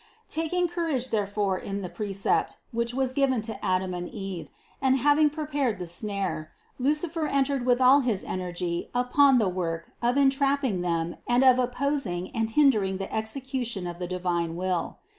140. Taking courage therefore in the precept, which was given to Adam and Eve, and having prepared the THE CONCEPTION 129 snare, Lucifer entered with all his energy upon the work of entrapping them and of opposing and hindering the execution of the divine Will.